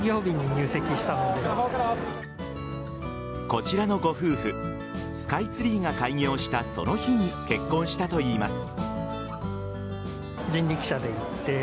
こちらのご夫婦スカイツリーが開業したその日に結婚したといいます。